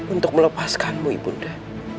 untuk melepaskanmu ibunda